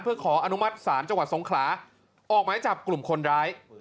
เพื่อขออนุมัติศาลจังหวัดสงขลาออกหมายจับกลุ่มคนร้าย